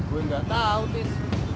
gue gak tau tis